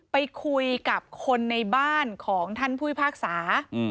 ไปคุยกับคนในบ้านของท่านพุยภาคสา